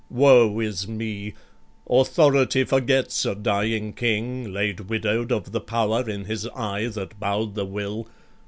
Woe is me! Authority forgets a dying king, Laid widow'd of the power in his eye That bow'd the will.